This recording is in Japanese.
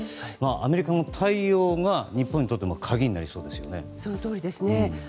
アメリカの対応が日本にとっても鍵になりそうですね。